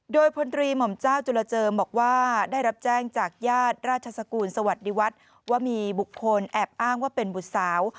โดยพลตรีหม่อมเจ้าจุลเจิมบอกว่าได้รับแจ้งจากญาติราชสกูลสวัสดีวัฒน์ว่ามีบุคคลแอบอ้างว่าเป็นบุตรสาว